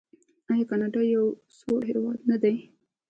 آیا کاناډا یو سوړ هیواد نه دی؟